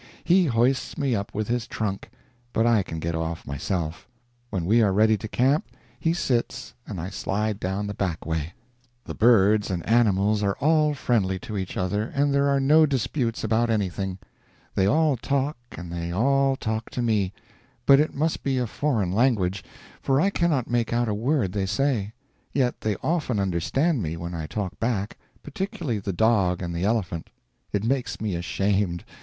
He hoists me up with his trunk, but I can get off myself; when we are ready to camp, he sits and I slide down the back way. The birds and animals are all friendly to each other, and there are no disputes about anything. They all talk, and they all talk to me, but it must be a foreign language, for I cannot make out a word they say; yet they often understand me when I talk back, particularly the dog and the elephant. It makes me ashamed.